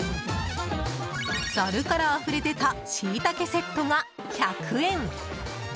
ザルからあふれ出たシイタケセットが１００円。